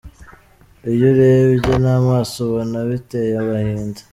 Iyo ubirebye n’amaso ubona biteye agahinda.